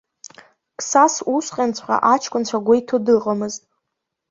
Қсас усҟанҵәҟьа аҷкәынцәа гәеиҭо дыҟамызт.